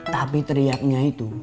tapi teriaknya itu